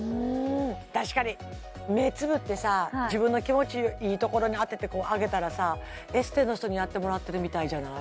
確かに目つむってさ自分の気持ちいいところに当ててあげたらさエステの人にやってもらってるみたいじゃない？